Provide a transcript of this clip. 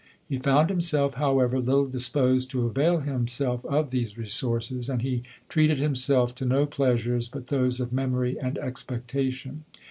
He found himself, however, little disposed to avail himself of these resources, and he treated himself to no pleasures but those of memory and expectation.